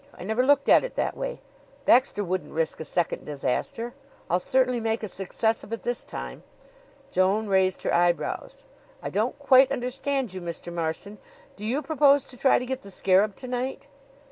I never looked at it in that way. Baxter wouldn't risk a second disaster. I'll certainly make a success of it this time." Joan raised her eyebrows. "I don't quite understand you, Mr. Marson. Do you propose to try to get the scarab to night?"